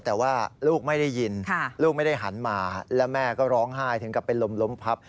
แต่ว่าลูกไม่ได้ยินลูกไม่ได้หันมาแล้วแม่ก็ร้องไห้ถึงกับเป็นลมล้มพับ